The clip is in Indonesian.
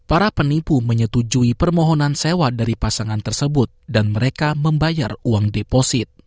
para penipu menyetujui permohonan sewa dari pasangan tersebut dan mereka membayar uang deposit